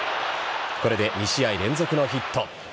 これで２試合連続のヒット。